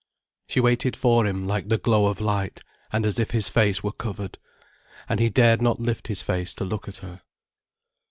She waited for him like the glow of light, and as if his face were covered. And he dared not lift his face to look at her.